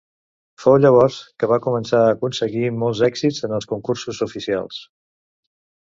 Fou llavors que va començar a aconseguir molts èxits en els concursos oficials.